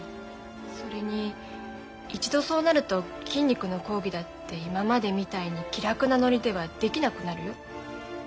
それに一度そうなると筋肉の講義だって今までみたいに気楽なノリではできなくなるよ。